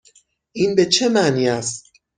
این به چه معنی است؟